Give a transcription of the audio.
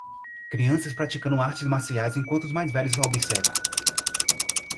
Crianças praticando artes marciais enquanto os mais velhos observam.